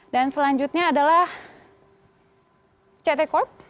selanjutnya adalah ct corp